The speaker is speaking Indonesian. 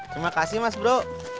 terima kasih mas bro